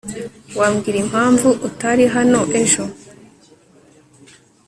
wambwira impamvu utari hano ejo